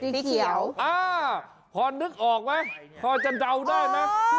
สีเขียวอ่าพอนึกออกไหมพอจะเดาได้ไหม